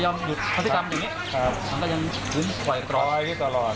แล้วพอมันก็ยอมหยุดศักดิ์กรรมอย่างนี่ครับมันก็ยังข่อยตลอด